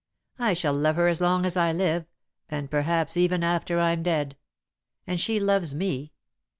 I shall love her as long as I live, and perhaps even after I'm dead. And she loves me.